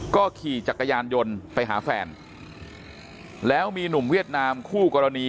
ก็ขี่จักรยานยนต์ไปหาแฟนแล้วมีหนุ่มเวียดนามคู่กรณี